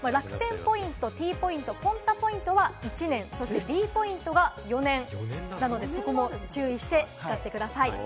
楽天ポイント、Ｔポイント、Ｐｏｎｔａポイントは１年、ｄポイントが４年、そこも注意して使ってください。